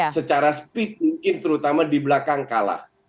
secara speed mungkin terutama di belakang kalah